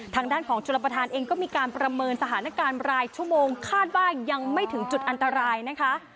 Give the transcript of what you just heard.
ทางด้านของชลประธานเองก็มีการประเมินสถานการณ์รายชั่วโมงคาดว่ายังไม่ถึงจุดอันตรายนะคะ